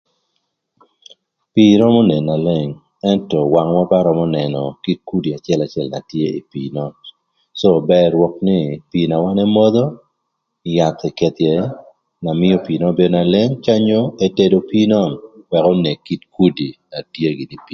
Pii ïrömö nënö leng ëntö wangwa ba römö nënö kit kudi acëlacël na tye ï pii nön cë bër rwök nï pii na wan emodho yath eketho ïë na mïö pii nön bedo na leng ca onyo etedo pii nön ëk onek kit kudi na tye ï pii.